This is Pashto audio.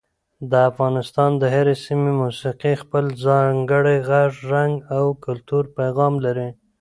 د افغانستان د هرې سیمې موسیقي خپل ځانګړی غږ، رنګ او کلتوري پیغام لري.